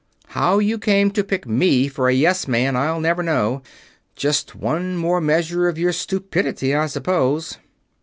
How you came to pick me for a yes man I'll never know just one more measure of your stupidity, I suppose."